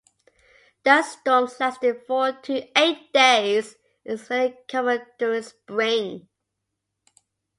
Dust storms lasting four to eight days is fairly common during Spring.